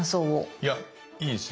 いやいいですね。